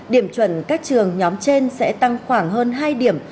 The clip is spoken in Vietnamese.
điểm chuẩn các trường nhóm trên sẽ tăng khoảng hơn hai điểm